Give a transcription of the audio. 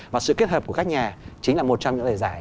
và sự kết hợp của các nhà chính là một trong những lời giải